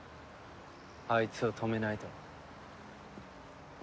あいつを止めないと。